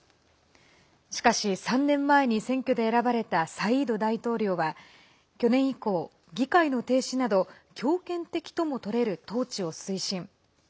しかし、３年前に選挙で選ばれたサイード大統領は去年以降、議会の停止など強権的ともとれる統治を推進。